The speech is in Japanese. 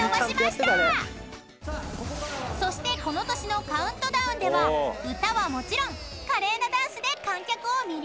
［そしてこの年のカウントダウンでは歌はもちろん華麗なダンスで観客を魅了］